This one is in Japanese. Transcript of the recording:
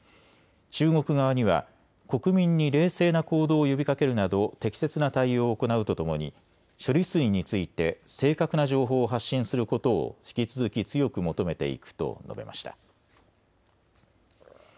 中国側には国民に冷静な行動を呼びかけるなど適切な対応を行うとともに処理水について正確な情報を発信することを引き続き強く求めていくと述べました。